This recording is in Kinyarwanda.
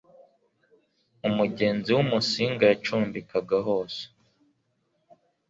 umugenzi w'umusinga yacumbikaga hose